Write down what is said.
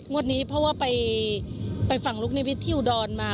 วันนี้เพราะว่าไปฝั่งลุกนิวิทย์ที่อุดรมา